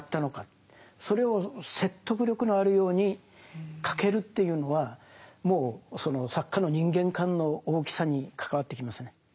それを説得力のあるように書けるというのはもうその作家の人間観の大きさに関わってきますね。